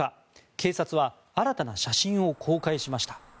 警察は新たな写真を公開しました。